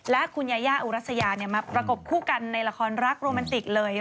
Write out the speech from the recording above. และคุณยายาอุรัสยามาประกบคู่กันในละครรักโรแมนติกเลย